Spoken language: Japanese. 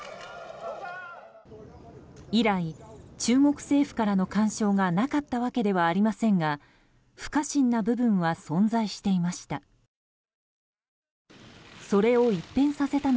以来、中国政府からの干渉がなかったわけではありませんが不可侵な部分は存在していました。